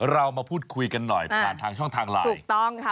เรามาพูดคุยกันหน่อยผ่านทางช่องทางไลน์ถูกต้องค่ะ